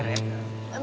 gak ada yang mau nanya